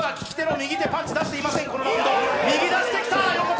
右、出してきた横田。